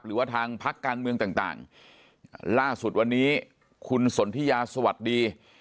หรือว่าทางพักการเมืองต่างต่างล่าสุดวันนี้คุณสนทิยาสวัสดี